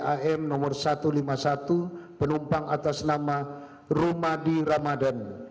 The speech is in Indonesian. am nomor satu ratus lima puluh satu penumpang atas nama rumadi ramadan